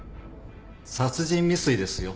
殺人未遂ですよ。